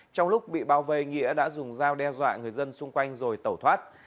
trong lúc bị bảo vệ nghĩa đã dùng dao đe dọa người dân xung quanh rồi tẩu thoát